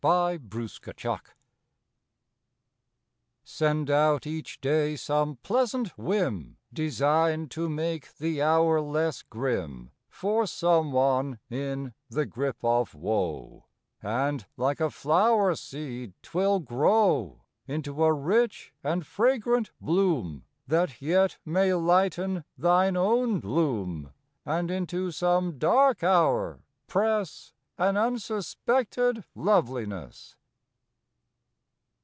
May First THE SEED QEND out each day some pleasant whim Designed to make the hour less grim For some one in the grip of woe, And like a flower seed twill grow Into a rich and fragrant bloom That yet may lighten thine own gloom, And into some dark hour press An unsuspected loveliness.